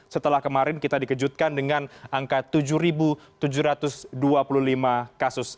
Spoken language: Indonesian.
setelah kemarin kita dikejutkan dengan angka tujuh tujuh ratus dua puluh lima kasus